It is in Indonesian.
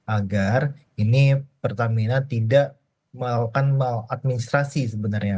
agar ini pertamina tidak melakukan maladministrasi sebenarnya